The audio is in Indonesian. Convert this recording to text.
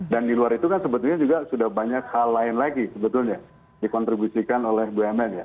dan di luar itu kan sebetulnya juga sudah banyak hal lain lagi sebetulnya dikontribusikan oleh bumn